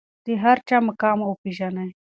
د هر چا مقام وپیژنئ.